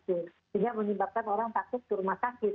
sehingga menyebabkan orang sakit di rumah sakit